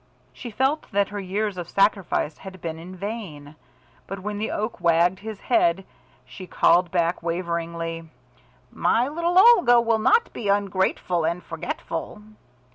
She felt that her years of sacrifice had been in vain, but when the Oak wagged his head she called back waveringly, "My little Olga will not be ungrateful and forgetful!"